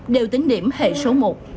đều tính điểm hệ số một